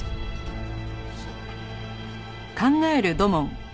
そう。